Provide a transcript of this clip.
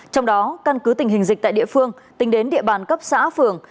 trong đó căn cứ tình hình dịch tại địa phương tính đến địa bàn cấp xã phường